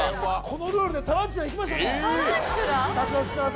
このルールでタランチュラいきましたもん